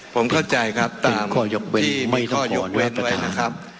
ผมเข้าใจครับตามที่มีข้อยกเว้นไว้นะครับ